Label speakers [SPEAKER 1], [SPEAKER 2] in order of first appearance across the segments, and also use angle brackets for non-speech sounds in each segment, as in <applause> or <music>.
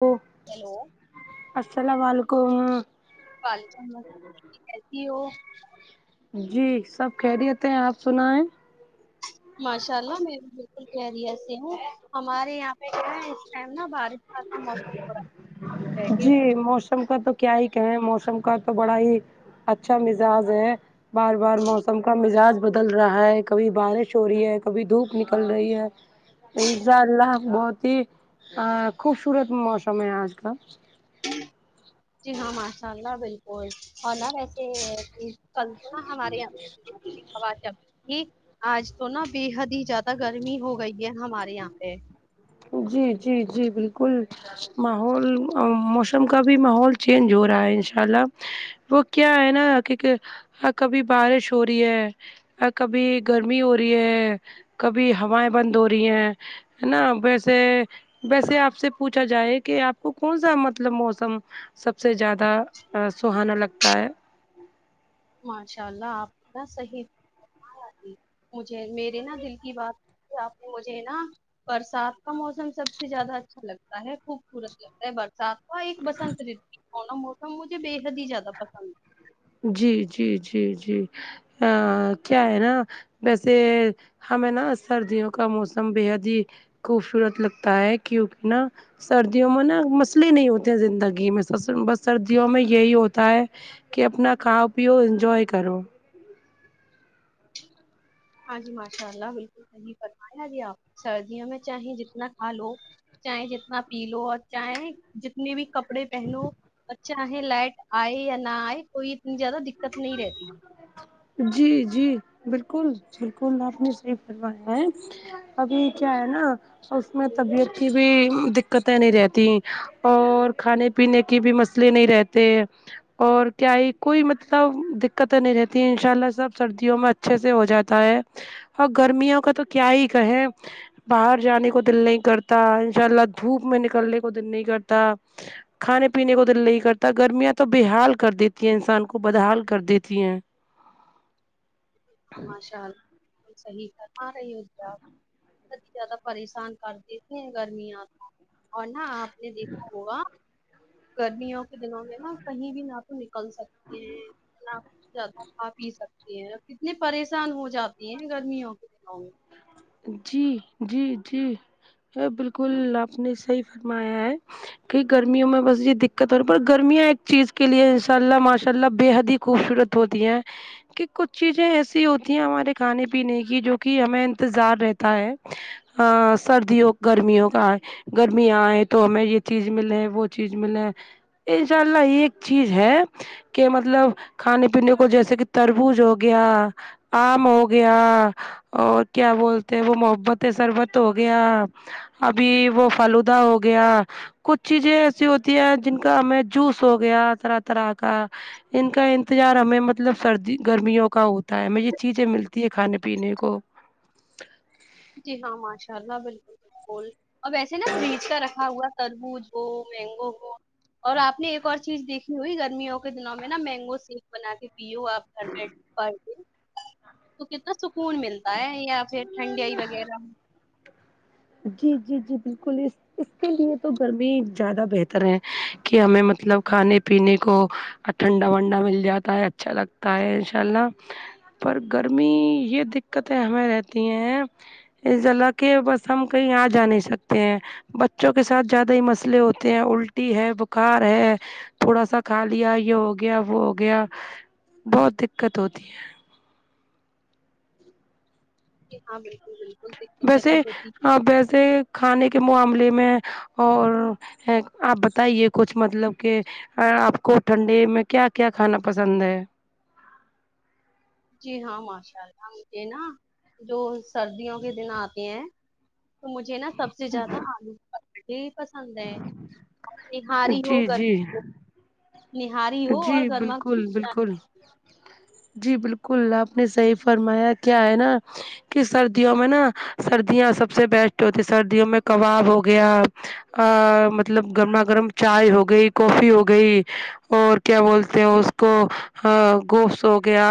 [SPEAKER 1] وہ
[SPEAKER 2] ہیلو
[SPEAKER 1] السلام علیکم
[SPEAKER 2] پل سس ٹھیک ہے جی وہ
[SPEAKER 1] جی سب خہریت ہیں آپ سنا ہے
[SPEAKER 2] ماشاء ہ میں بھی بالکل خیریت سے ہوں ہمارے یہاں پہ کیا ہے اس ٹائم نا بارش کا سا موسم ہو رہا ہے بیٹھے ہو؟
[SPEAKER 1] جی موسم کا تو کیا ہی کہیں موسم کا تو بڑا ہی اچھا مزاج ہے بار بار موسم کا مزاج بدل رہا ہے کبھی بارش ہو رہی ہے کبھی دھوپ نکل رہی ہے انشاء اللہ بہت ہی خوبصورت موسم ہے آج کل
[SPEAKER 2] جی ہاں ماشاء اللہ بالکل اورالار وسے کل تو نا ہمارے یہاں آو جب یہ آج تو نا بے حد ہی زیادہ گرمی ہو گئی ہے ہمارے یہاں پہ
[SPEAKER 1] جی جی جی بالکل ماحول موسم کا بھی ماحول چینج ہو رہا ہے ان شاء اللہ وہ کیا ہے نا کہ کبھی بارش ہو رہی ہے کبھی گرمی ہو رہی ہے کبھی ہوائیں بند ہو رہی ہیں ہے نا ویسے ویسے آپ سے پوچھا جائے کہ آپ کو کون سا مطلب موسم سب سے زیادہ سہانا لگتا ہے <unintelligible>
[SPEAKER 2] ماشاء اللہ آپ اتنا صحیح مجھے میرے نہ دل کی بات ج آپ نے مجھے نا <unintelligible> برسات کا موسم سب سے زیادہ اچھا لگتا ہے خوبصورت لگتا ہے بر ساتواں ایک بسنت رتو سوناا موسم مجھے بے حد ہی زیادہ پسند ہے
[SPEAKER 1] جی جی جی جی کیا ہے نا ویسے ہمیں نا سردیوں کا موسم بےحد ہی خوبصورت لگتا ہے کیونکہ نا سردیوں میں نا مسئلے نہیں ہوتے ہیں زندگی میں بس سردیوں میں یہی ہوتا ہے کہ اپنا کاؤ پیو انجوائے کرو
[SPEAKER 2] ہاں جی ماشاء اللہ بالکل صحیح فتمایا ا جی آپ سردیوں میں چاہیں جتنا کھا لو چاہیں جتنا پی لو اور چاہ جتنے بھی کپ کپڑے پہنو اچھا ہے لائٹ آئے یا نہ آئے کوئی اتنی زیادہ دقت نہیں رہتی ہے
[SPEAKER 1] جی جی بالکل بالکل آپ نے صحی کروایا ہے ابھی کیا ہے نا اس میں طبیعت کی بھی دقتیں نہیں رہتی اور کھانے پینے کے بھی مسئلے نہیں رہتے اور کیا یہ کوئی مطلب دقت نہیں رہتی ان شاء اللہ سب سردیوں میں اچھے سے ہو جاتا ہے اور گرمیوں کا تو کیا ہی کہیں باہر جانے کو دل نہیں کرتا انشاء اللہ دھوپ میں نکلنے کو دل نہیں کرتا کھانے پینے کو دل نہیں کرتا گرمیاں تو بےحال کر دیتی ہے انسان کو بدحال کر دیتی کین <unintelligible>
[SPEAKER 2] ہاں ماشال صحیح کرم رہی ہو کہ آپ ا زیادہ پریشان کر دیتی ہیں گرمیاں اور نہا آپ نے دیکھا ہوگا گرمیوں کے دنوں میں نہا کہیں بھی نہ تو نکل سکتے ہیں نہ زد کھا پی سکتے ہیں کتنے پریشان ہو جاتے ہیں گرمیوں کے دنوں میں
[SPEAKER 1] جی جی جی یہ بالکل آپ نے صحیح فرمایا ہے کہ گرمیوں میں بس یہ دقت ہو رہی پر گرمیاں ایک چیز کے لیے ان شاء اللہ ماشاء اللہ بے حد ہی خوبصورت ہوتی ہیں کہ کچھ چیزیں ایسی ہوتی ہیں ہمارے کھانے پینے کی جو کہ ہمیں انتظار رہتا ہے سردیوں گرمیوں کا گرمیاں آئے تو ہمیں یہ چیز ملے ہے وہ چیز ملے ان شاء اللہ ایک چیز ہے کہ مطلب کھانے پینے کو جیسے کہ تربوز ہو گیا آم ہو گیا اور کیا بولتے ہیں وہ محبت سربت ہو گیا ابھی وہ فلودہ ہو گیا کچھ چیزیں ایسی ہوتی ہیں جن کا ہمیں جوس ہو گیا طرح طرح کا ان کا انتظار ہمیں مطلب سردی گرمیوں کا ہوتا ہے ہمیں یہ چیزیں ملتی ہے کھانے پینے کو <unintelligible>
[SPEAKER 2] جی ہاں ماشاء اللہ بالکل بالکل اور ویسے نا فریج کا رکھا ہوا تربوز ہو مینگو ہو اور آپ نے ایک اور چیز دیکھی ہوئی گرمیوں کے دنوں میں نا مینگو سک بنا کے پو آپ تھڈڈ پر ڈے تو کتنا سکون ملتا ہے یہ آپ ٹھڈی آئی وغیرہ
[SPEAKER 1] جی جی جی بالکل اس اس کے لیے تو گرمی زیادہ بہتر ہے کہ ہمیں مطلب کھانے پینے کو اور ٹھنڈا ونڈا مل جاتا ہے اچھا لگتا ہے ان شاء اللہ پر گرمی یہ دقتیں ہمیں رہتی ہیں لا کہ بس ہم کہیں آاں جا نہیں سکتے ہیں بچوں کے ساتھ زیادہ ہی مسئلے ہوتے ہیں الٹی ہے بخار ہے تھوڑا سا کھا لیا یہ ہو گیا وہ ہو گیا بہت دقت ہوتی ہے
[SPEAKER 2] جی ہاں بالکل بالکل دقتیں
[SPEAKER 1] ویسے
[SPEAKER 2] تو ہوتی
[SPEAKER 1] آ ویسے کھانے کے معاملے میں اور آپ بتائیے کچھ مطلب کہ آپ کو ٹھنڈی میں کیا کیا کھانا پسند ہے
[SPEAKER 2] جی ہاں ماشاء اللہ مجھے نا جو سردیوں کے دن آتے ہیں تو مجھے نا سب سے زیادہ آلود یہ پسند ہے نہ ہاری ہو
[SPEAKER 1] جی جی
[SPEAKER 2] گرمی ہو نہاری ہو اور
[SPEAKER 1] جی
[SPEAKER 2] گرما
[SPEAKER 1] بالکل بالکل جی بالکل آپ نے صحیح فرمایا کیا ہے نا کہ سردیوں میں نا سردیاں سب سے بیسٹ ہوتی سردیوں میں کباب ہو گیا ا مطلب گرما گرم چائے ہو گئی کافی ہو گئی اور کیا بولتے ہیں اس کو گوفس ہو گیا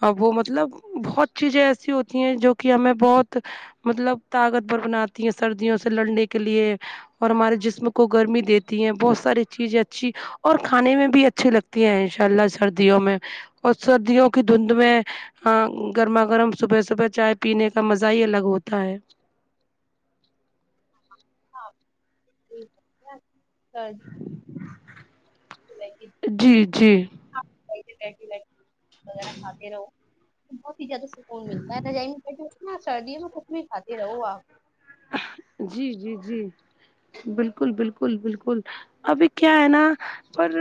[SPEAKER 1] ا وہ مطلب بہت چیزیں ایسی ہوتی ہیں جو کہ ہمیں بہت مطلب طاقت بور بناتی ہیں سردیوں سے لڑنے کے لیے اور ہمارے جسم کو گرمی دیتی ہیں بہت ساری چیزیں اچھی اور کھانے میں بھی بھی اچھی لگتی ہیں ان شاء اللہ سردیوں میں اور سردیوں کی دھند میں ہاں گرما گرم صبح صبح چائے پینے کا مزہ ہی الگ ہوتا ہے
[SPEAKER 2] جی
[SPEAKER 1] جی جی
[SPEAKER 2] ہاں وغہ پات رہو بہت ہی زیادہ سکون ملتا ہے نائ میں بیٹ سردیوں میں کچھ بھی کاتے رہو آپ
[SPEAKER 1] جی جی جی بالکل بالکل بالکل ابھی کیا ہے نا پر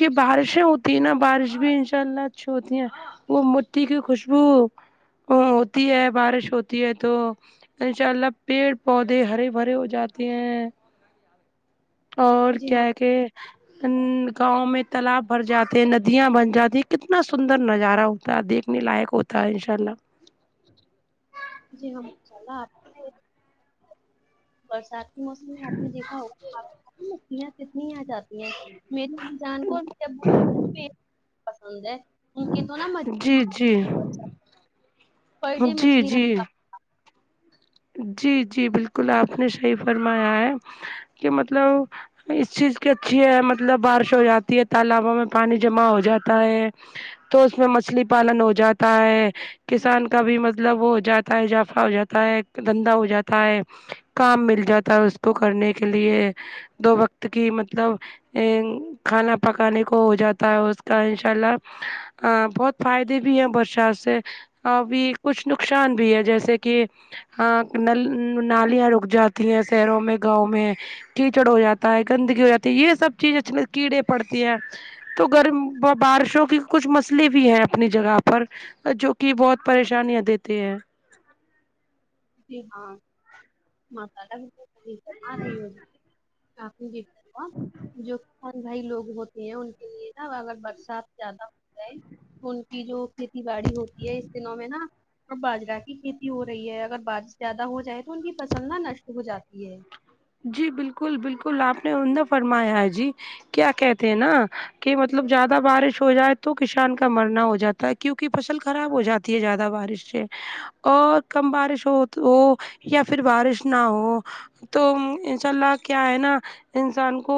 [SPEAKER 1] یہ بارشیں ہوتی ہیں نا بارش بھی ان شاء اللہ اچھی ہوتی ہیں وہ مٹٹی کی خوشبو ہوتی ہے بارش ہوتی ہے تو ان شاء اللہ پیڑ پودے ہرے بھرے ہو جاتے ہیں اور
[SPEAKER 2] جی
[SPEAKER 1] کیا
[SPEAKER 2] ہاں
[SPEAKER 1] کہ ا گاؤں میں تالاب بھر جاتے ندیاں بن جاتی کتنا سندر نظارہ ہوتا دیکھنے لائق ہوتا ہے انشاء اللہ
[SPEAKER 2] جی ہاں انشاء اللہ آپ برسات کے موسم میں آپ نے دیکھا ہو ں کتنی آ جاتی ہیں م جان کوور میں جب پسند ہے ان کے تو نہا
[SPEAKER 1] جی جی
[SPEAKER 2] پر ڈے
[SPEAKER 1] جی
[SPEAKER 2] مچھلی
[SPEAKER 1] جی جی جی بالکل آپ نے صحیح فرمایا ہے کہ مطلب اس چیز کی اچھی ہے مطلب بارش ہو جاتی ہے تالابوں میں پانی جمع ہو جاتا ہے تو اس میں مچھلی پالن ہو جاتا ہے کسان کا بھی مطلب وہ ہو جاتا ہے اضافہ ہو جاتا ہے دھندا ہو جاتا ہے کام مل جاتا ہے اس کو کرنے کے لیے دو وقت کی مطلب ا کھانا پکانے کو ہو جاتا ہے اس کا انشاء اللہ ا بہت فائدے بھی ہیں برشا سے ابھی کچھ نقصان بھی ہے جیسے کہ ہاں نالیاں رک جاتی ہیں شہروں میں گاؤں میں کیچڑ ہو جاتا ہے گندگی ہو جاتی ہے یہ سب چیز اچ کیڑے پڑتی ہے تو گرم بارشوں کی کچھ مسئلے بھی ہیں اپنی جگہ پر جو کہ بہت پریشانیاں دیتے ہیں
[SPEAKER 2] جی ہاں رہی ہو آ جا جو کسان بھائی لوگ ہوتے ہیں ان کے لیے نا اگر برسات زیادہ ہو جائے ان کی جو کھیتی باڑی ہوتی ہے اس دنوں میں نا اور باجرا کی کھیتی ہو رہی ہے اگر بارش زیادہ ہو جائے تو ان کی فصل نہا نشٹ ہو جاتی ہے
[SPEAKER 1] جی بالکل بالکل آپ نے عمدہ فرمایا ہے جی کیا کہتے ہیں نا کہ مطلب زیادہ بارش ہو جائے تو کسان کا مرنا ہو جاتا ہے کیونکہ فصل خراب ہو جاتی ہے زیادہ بارش سے اور کم بارش ہو ہو یا پھر بارش نہ ہو تو انشاء اللہ کیا ہے نا انسان کو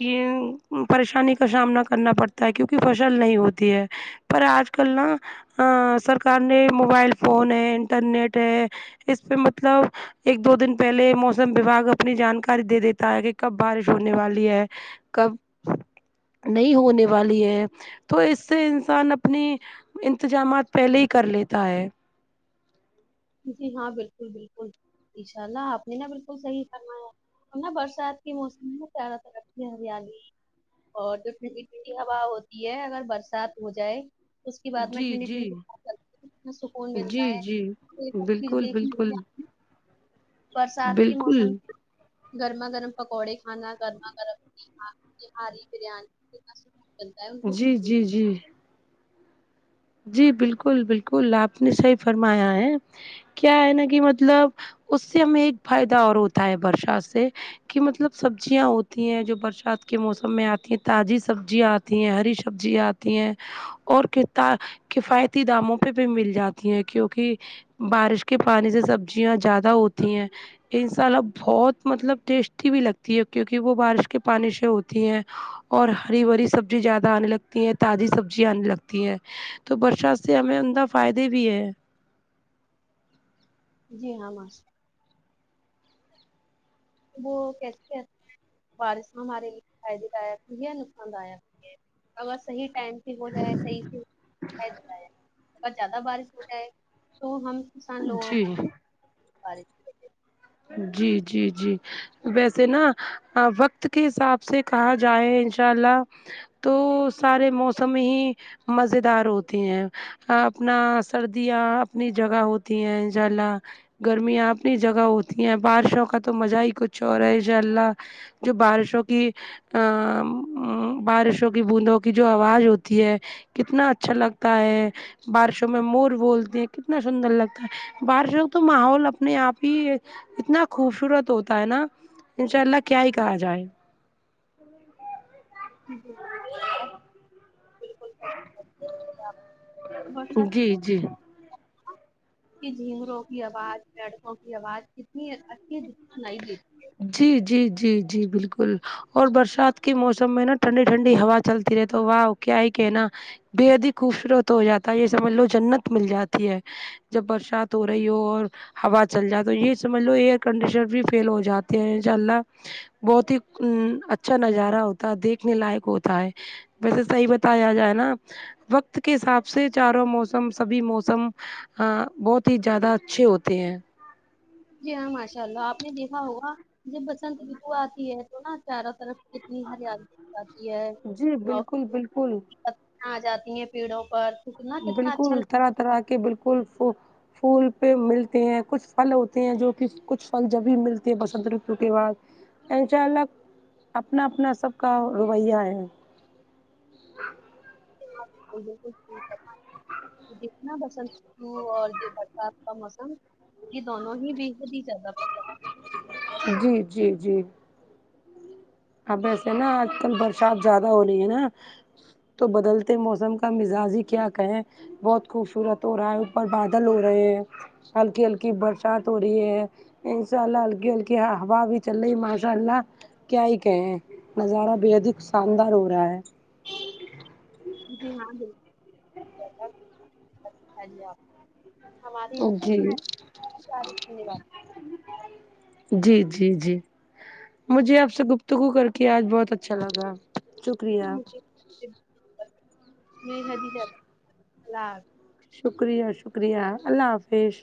[SPEAKER 1] یہ پریشانی کا سامنا کرنا پڑتا ہے کیونکہ فصل نہیں ہوتی ہے پر آج کل نہا ا سرکار نے موبائل فون ہے انٹرنیٹ ہے اس پہ مطلب ایک دو دن پہلے مو موسم وباگ اپنی جانکاری دے دیتا ہے کہ کب بارش ہونے والی ہے کب نہیں ہونے والی ہے تو اس سے انسان اپنی انتظامات پہلے ہی کر لیتا ہے
[SPEAKER 2] جی ہاں بالکل بالکل ان شاء اللہ آپ نے نا بالکل صحیح کرنا ہے ہم نا برسات کے موسم میں نا زارہ ترقتی ہے ہریالی اور جو ٹھنڈی ٹھنڈی ہوا ہوتی ہے اگر برسات ہو جائے تو اس کے بعد میں
[SPEAKER 1] جی
[SPEAKER 2] ٹھنڈی
[SPEAKER 1] جی
[SPEAKER 2] ٹھنڈی پ چتی ہ سکون
[SPEAKER 1] جی
[SPEAKER 2] ملتا ہے
[SPEAKER 1] جی
[SPEAKER 2] سب چیز
[SPEAKER 1] بالکل بالکل
[SPEAKER 2] دیکھنے برسات کے موسم
[SPEAKER 1] بالکل
[SPEAKER 2] گرما گرم پکوڑے کھانا گرما گرم ہاری بریانی ب
[SPEAKER 1] جی
[SPEAKER 2] ہے
[SPEAKER 1] جی جی جی بالکل بالکل آپ نے صحیح فرمایا ہے کیا ہے نا کہ مطلب اس سے ہمیں ایک فائدہ اور ہوتا ہے برشا سے کہ مطلب سبزیاں ہوتی ہیں جو برسات کے موسم میں آتی ہیں تازی سبزیاں آتی ہیں ہری سبزیاںتی ہیں اور کتا کفایتی داموں پہ بھی مل جاتی ہیں کیوںکہ بارش کے پانی سے سبزیاں زیادہ ہوتی ہیں انساء الب بہت مطلب ٹیسٹی بھی لگتی ہے کیونکہ وہ بارش کے پانی سے ہوتی ہیں اور ہری بری سبزی زیادہ آنے لگتی ہیں تازی سبزی آنے لگتی ہیں تو برسات سے ہمیں ان کا فائدے بھی ہے
[SPEAKER 2] جی ہاں م وہ کیسے کہتے ہیں بارش ہمارے لیے فائدے داک بھی ہے نقصان داک ہے اگر صی ٹائم ہو جائے صحیح سے اور زیادہ بارش ہو جائے تو ہم سانوگ
[SPEAKER 1] جی
[SPEAKER 2] پتا بار
[SPEAKER 1] جی جی جی ویسے نا وقت کے حساب سے کہاں جائے انشاء اللہ تو سارے موسم ہی مز دار ہوتے ہیں اپنا سردیاں اپنی جگہ ہوتی ہیں انشاء اللہ گرمیاں اپنی جگہ ہوتی ہیں بارشوں کا تو مزہ ہی کچھ اورا ہے ان شاء اللہ جو بارشوں کی ا بارشوں کی بوندوں کی جو آواز ہوتی ہے کتنا اچھا لگتا ہے بارشوں میں مور بولتے ہیں کتنا سندر لگتا ہے بارشوں تو ماحول اپنے آپ ہی اتنا خوبصورت ہوتا ہے نا ان شاء اللہ کیا ہی کہا جائے
[SPEAKER 2] جی بر
[SPEAKER 1] جی جی <inaudible>
[SPEAKER 2] جھینگروں کی آواز پیڑکوں کی آواز کتنی اچھی سنائی دیتی
[SPEAKER 1] جی جی جی جی بالکل اور برسات کے موسم میں نا ٹھنڈی ٹھنڈی ہوا چلتی رہے تو واہ کیا ہی کہناا بےد ہی خوبصورت ہو جاتا ہے یہ سمجھ لو جنت مل جاتی ہے جب برسات ہو رہی ہو اور ہوا چل جائے تو یہ سمجھ لو ایئر کنڈیشنر بھی فیل ہو جاتے ہیں انشاء اللہ بہت ہی ا اچھا نظارہ ہوتا ہے دیکھنے لائق ہوتا ہے ویسے صحیح بتایا جائے نا وقت کے حساب سے چاروں موسم سبھی موسم ہ بہت ہی زیادہ اچھے ہوتے ہیں
[SPEAKER 2] جی ہاں ماشاء اللہ آپ نے دیکھا ہوگا جب بسنت رتو آتی ہے تو نا چاروں طرف کتنی ہریالی جاتی ہے
[SPEAKER 1] جی
[SPEAKER 2] اور
[SPEAKER 1] بالکل بالکل
[SPEAKER 2] آ جاتی ہیں پیڑوں پر کتنا کتنا
[SPEAKER 1] بالکل
[SPEAKER 2] اچھا لگتا
[SPEAKER 1] طرح طرح کے بالکل پھول پہ ملتے ہیں کچھ پھل ہوتے ہیں جو کہ کچھ پھل جب بھی ملتے ہیں بسنت رتو کے بعد ان الگ اپنا اپنا سب کا رویہ ہے
[SPEAKER 2] جتنا پسند و اور یہ برسات کا موسم یہ دونوں ہی بےحد ہی زیادہ پسند
[SPEAKER 1] جی جی جی اب ویسے نا آج کل برسات زیادہ ہو رہی ہے نا تو بدلتے موسم کا مزاجی کیا کہیں بہت خوبصورت ہو رہا ہے اوپر بادل ہو رہے ہیں ہلکی ہلکی برسات ہو رہی ہے انشاء اللہ ہلکی ہلکی ہوا بھی چل رہی ماشاء اللہ کیا کہ نظارہ بھی ادھک شاندار ہو رہا ہے-
[SPEAKER 2] ج جی ہاں ب ج ہمارے یہاں کیسنا ہےار دھیہ واد
[SPEAKER 1] سج جی- جی- جی مجھے آپ سے گفتگو کر کے آج بہت اچھا لگا-
[SPEAKER 2] پھر
[SPEAKER 1] شکریہ
[SPEAKER 2] مجھے میں حدی ح ال
[SPEAKER 1] شکریہ شکریہ اللہ حافظ